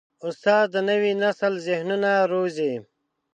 استاد د نوي نسل ذهنونه روزي.